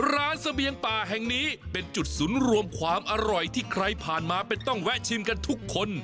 เสบียงป่าแห่งนี้เป็นจุดศูนย์รวมความอร่อยที่ใครผ่านมาเป็นต้องแวะชิมกันทุกคน